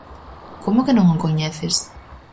Como que non o coñeces?